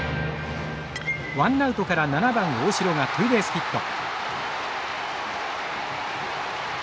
ワンナウトから７番大城がツーベースヒット。